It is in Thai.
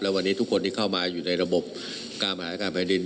วันนี้ทุกคนที่เข้ามาอยู่ในระบบการบริหารการแผ่นดิน